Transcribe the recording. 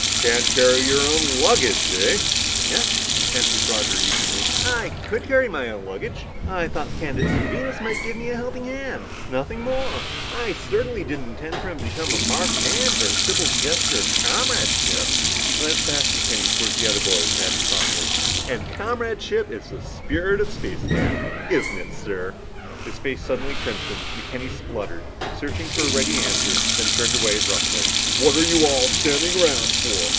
"Can't carry your own luggage, eh?" "Yes," answered Roger evenly. "I could carry my own luggage. I thought the candidate from Venus might give me a helping hand. Nothing more. I certainly didn't intend for him to become a marked man for a simple gesture of comradeship." He glanced past McKenny toward the other boys and added softly, "And comradeship is the spirit of Space Academy, isn't it, sir?" His face suddenly crimson, McKenny spluttered, searching for a ready answer, then turned away abruptly. "What are you all standing around for?"